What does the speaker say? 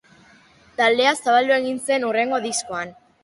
Taldea zabaldu egin zen hurrengo diskoan.